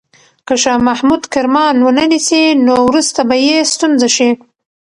که شاه محمود کرمان ونه نیسي، نو وروسته به یې ستونزه شي.